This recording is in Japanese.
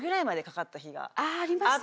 あありましたね。